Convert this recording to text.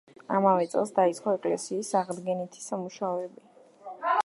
ამავე წელს დაიწყო ეკლესიის აღდგენითი სამუშაოები.